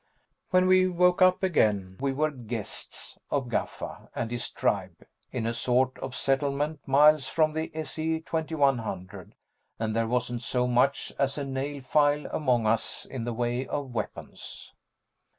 When we woke up again, we were "guests" of Gaffa and his tribe in a sort of settlement miles from the S.E.2100, and there wasn't so much as a nail file among us in the way of weapons.